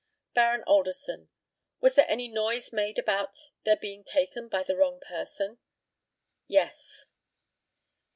Baron ALDERSON: Was there any noise made about their being taken by a wrong person? Yes.